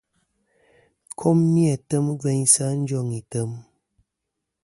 Kom ni-a tem gveynsɨ̀ a njoŋ item.